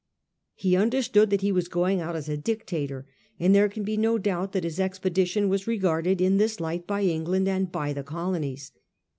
He understood that he was going out as a dictator, and there can be no doubt that his expedition was regarded in this light by England and by the colonies.